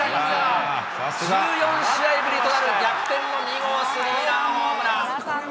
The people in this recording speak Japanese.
１４試合ぶりとなる逆転の２号スリーランホームラン。